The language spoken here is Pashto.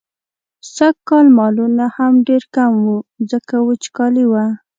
سږکال مالونه هم ډېر کم وو، ځکه وچکالي وه.